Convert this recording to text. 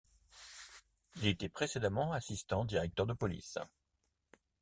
Il était précédemment assistant directeur de police.